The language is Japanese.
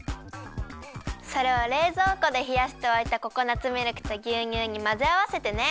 それをれいぞうこでひやしておいたココナツミルクとぎゅうにゅうにまぜあわせてね。